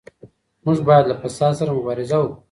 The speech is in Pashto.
موږ بايد له فساد سره مبارزه وکړو.